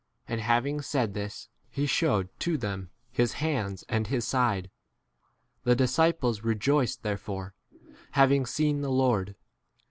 And having said this, he shewed to them his hands and his side. The disciples rejoiced therefore, having seen the 21 Lord.